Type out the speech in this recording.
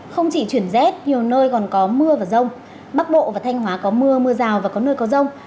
không chỉ chuyển rét nhiều nơi còn có mưa và rông bắc bộ và thanh hóa có mưa mưa rào và có nơi có rông